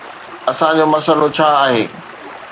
اسان جو مسئلو ڇا آهي؟